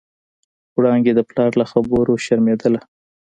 وړانګې د پلار له خبرو شرمېدله.